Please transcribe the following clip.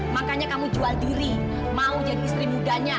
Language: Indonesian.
makanya kamu jual diri mau jadi istri mudanya